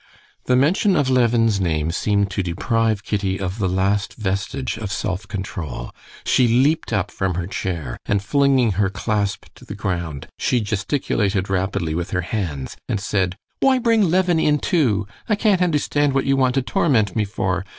The mention of Levin's name seemed to deprive Kitty of the last vestige of self control. She leaped up from her chair, and flinging her clasp on the ground, she gesticulated rapidly with her hands and said: "Why bring Levin in too? I can't understand what you want to torment me for.